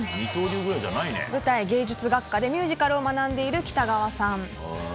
舞台芸術学科でミュージカルを学んでいる北川さん。